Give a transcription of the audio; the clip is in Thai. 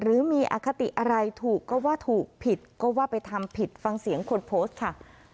หรือมีอคติอะไรถูกก็ว่าถูกผิดก็ว่าไปทำผิดฟังเสียงคนโพสต์ค่ะ